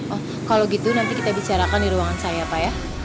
oh kalau gitu nanti kita bicarakan di ruangan saya pak ya